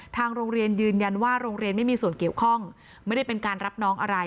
ทางโรงเรียนยืนยันว่าโรงเรียนไม่มีส่วนเกี่ยวข้องไม่ได้เป็นการรับน้องอะไร